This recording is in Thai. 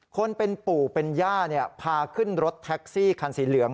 คนเป็นปู่เป็นย่าพาขึ้นรถแท็กซี่คันสีเหลือง